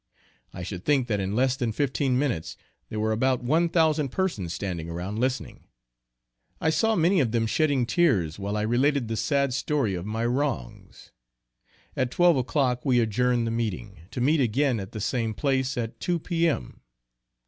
I should think that in less than fifteen minutes there were about one thousand persons standing around, listening. I saw many of them shedding tears while I related the sad story of my wrongs. At twelve o'clock we adjourned the meeting, to meet again at the same place at two P.M.